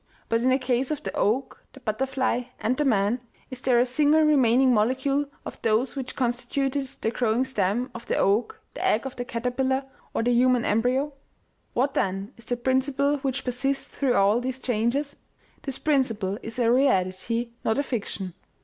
But in the case of the oak, the butterfly, and the man, is there a single remaining molecule of those which constituted the growing stem of the oak, the egg of the caterpillar or the human embryo ? What then is the principle which persists through all these changes? This principle is a reality, not a fiction.